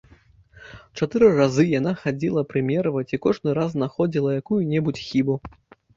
Чатыры разы яна хадзіла прымерваць і кожны раз знаходзіла якую-небудзь хібу.